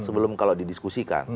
sebelum kalau didiskusikan